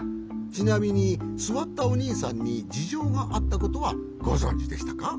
ちなみにすわったおにいさんにじじょうがあったことはごぞんじでしたか？